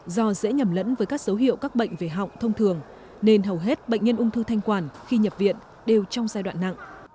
do dễ nhầm lẫn với các dấu hiệu các bệnh về họng thông thường nên hầu hết bệnh nhân ung thư thanh quản khi nhập viện đều trong giai đoạn nặng